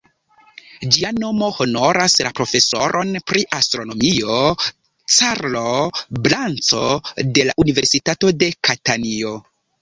Ĝia nomo honoras la profesoron pri astronomio "Carlo Blanco", de la Universitato de Katanio.